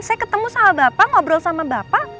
saya ketemu sama bapak ngobrol sama bapak